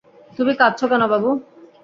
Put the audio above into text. তুমি কাঁদছ কেন, বাবু?